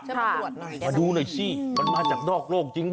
ใช่ช่วยปรวจหน่อย